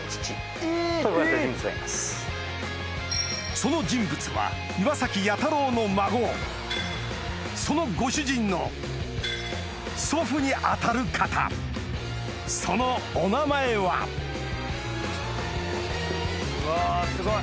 その人物は岩崎彌太郎の孫そのご主人の祖父に当たる方そのお名前はうわすごい。